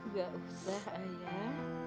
gak usah ayah